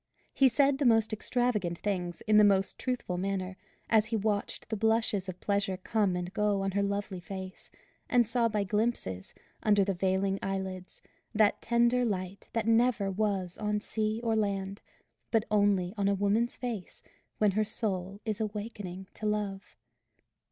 He said the most extravagant things, in the most truthful manner, as he watched the blushes of pleasure come and go on her lovely face, and saw by glimpses, under the veiling eyelids, that tender light that never was on sea or land, but only on a woman's face when her soul is awakening to Love.